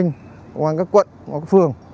công an các quận các phường